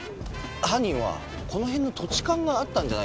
犯人はこの辺の土地勘があったんじゃないでしょうか？